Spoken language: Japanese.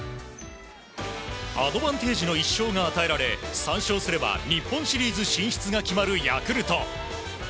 アドバンテージの１勝が与えられ３勝すれば日本シリーズ進出が決まるヤクルト。